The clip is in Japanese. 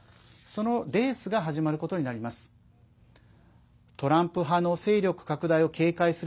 そのレースが始まることになります。